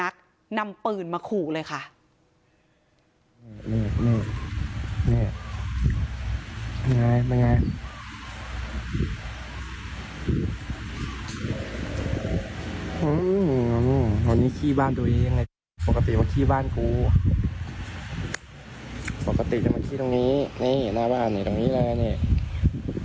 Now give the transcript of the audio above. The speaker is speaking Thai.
ขี้บ้านกูปกติจะมาขี้ตรงนี้นี่หน้าบ้านตรงนี้แล้วเนี่ย